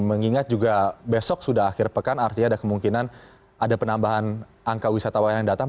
mengingat juga besok sudah akhir pekan artinya ada kemungkinan ada penambahan angka wisatawan yang datang